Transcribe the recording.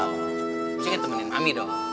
mesti temenin mami dong